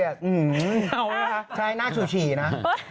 เงาเหรอคะใช่หน้าสุฉีนะ